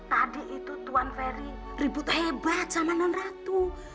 tadi itu tuan ferry ribut hebat sama non ratu